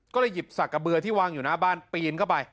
ก็เลยหยิบสักกระเบือที่วางอยู่หน้าบ้านปีนเข้าไป